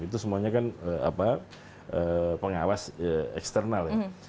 itu semuanya kan pengawas eksternal ya